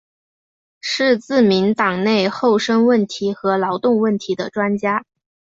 是自民党内厚生问题和劳动问题的专家。